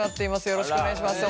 よろしくお願いします